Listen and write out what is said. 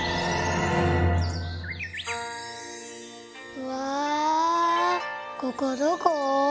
うわここどこ？